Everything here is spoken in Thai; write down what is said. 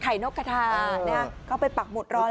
ขายนกกระทาเข้าไปปักหมดรอแล้ว